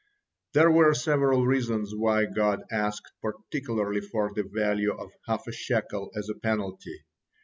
There were several reasons why God asked particularly for the value of half a shekel as a penalty.